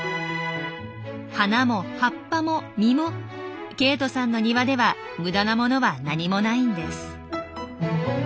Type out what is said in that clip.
花も葉っぱも実もケイトさんの庭では無駄なものは何もないんです。